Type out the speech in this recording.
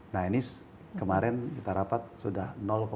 nah ini kemarin kita rapat sudah enam puluh satu